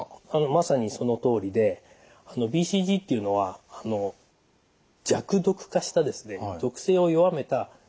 まさにそのとおりでＢＣＧっていうのは弱毒化した毒性を弱めた牛型の結核菌なんですね。